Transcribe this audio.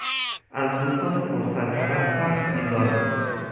از دوستان فرصت طلب سخت بیزارم.